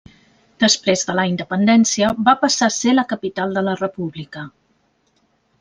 Després de la Independència va passar a ser la capital de la República.